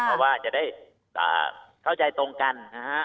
เพราะว่าจะได้เข้าใจตรงกันนะฮะ